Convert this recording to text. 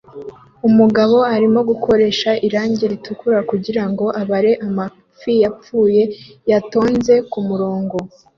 Umugabo arimo gukoresha irangi ritukura kugirango abare amafi yapfuye yatonze umurongo